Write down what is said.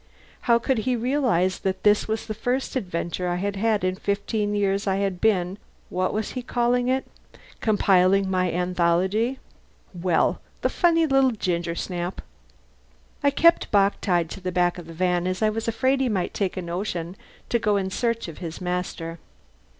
How could he realize that this was the first adventure I had had in the fifteen years I had been what was it he called it? compiling my anthology. Well, the funny little gingersnap! I kept Bock tied to the back of the van, as I was afraid he might take a notion to go in search of his master.